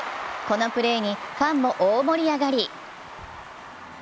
このプレーにファンも大盛り上がり。